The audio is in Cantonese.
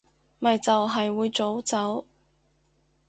咪就係會早走